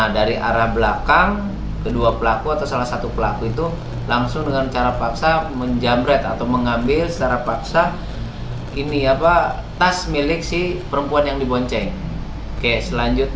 dari arah belakang kedua atau salah satu pelaku langsung dengan cara paksa mengambil tas perempuan yang diboncen